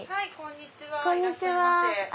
こんにちは。